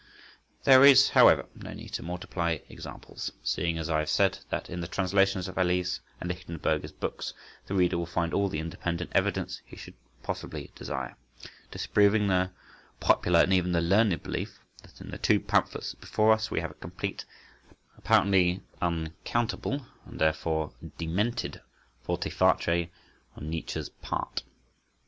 There is, however, no need to multiply examples, seeing, as I have said, that in the translations of Halévy's and Lichtenberger's books the reader will find all the independent evidence he could possibly desire, disproving the popular, and even the learned belief that, in the two pamphlets before us we have a complete, apparently unaccountable, and therefore "demented" volte face on Nietzsche's part.